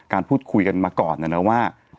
การพูดคุยกันมาก่อนนะนะว่า